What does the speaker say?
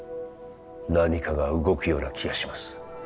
何かが動くような気がします